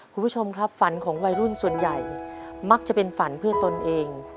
คุณผู้ชมครับฝันของวัยรุ่นส่วนใหญ่มักจะเป็นฝันเพื่อตนเอง